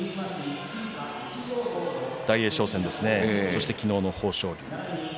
大栄翔戦ですねそして昨日の豊昇龍戦。